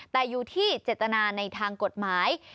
แต่อยู่ที่เจตนาในทางกฎหมาย